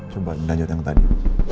coba lanjut yang tadi